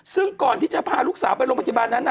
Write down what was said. ซึ่งก่อนที่จะพาลูกสาวไปโรงพยาบาลนั้น